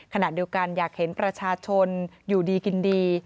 ขณะเดียวกันอยากเห็นประชาชนอยู่ดีกินดี